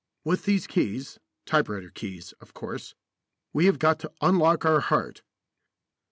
With these keys typewriter keys, of course we have got to unlock our heart.